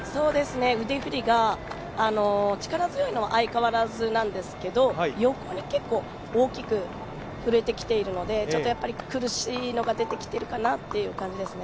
腕振りが力強いのは相変わらずなんですけど横に大きく振れてきているのでやっぱり苦しいのが出てきてるかなという感じですね。